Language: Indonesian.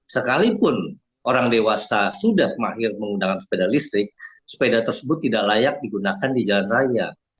sekalipun orang dewasa sudah mahir menggunakan sepeda listrik sepeda tersebut tidak layak digunakan di jalan raya